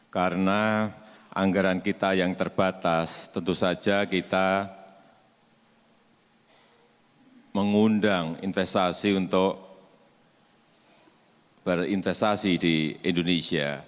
karena anggaran kita yang terbatas tentu saja kita mengundang investasi untuk berinvestasi di indonesia